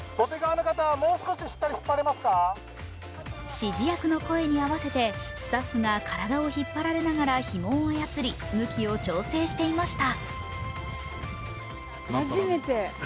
指示役の声に合わせてスタッフが体を引っ張られながらひもを操り向きを調整していました。